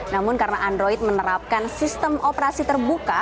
namun karena android menerapkan sistem operasi terbuka